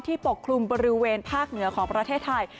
ปกคลุมบริเวณภาคเหนือของประเทศไทย